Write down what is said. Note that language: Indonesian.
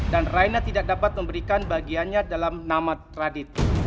dan raina tidak dapat memberikan bagiannya dalam nama radit